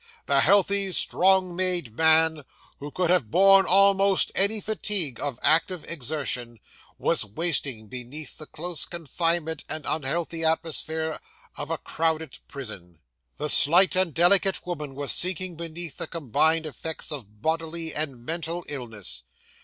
The healthy, strong made man, who could have borne almost any fatigue of active exertion, was wasting beneath the close confinement and unhealthy atmosphere of a crowded prison. The slight and delicate woman was sinking beneath the combined effects of bodily and mental illness.